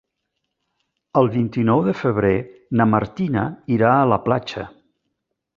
El vint-i-nou de febrer na Martina irà a la platja.